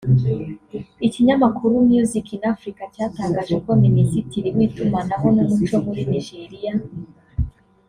Ikinyamakuru Music in Africa cyatangaje ko Minisitiri w’Itumanaho n’Umuco muri Nigeria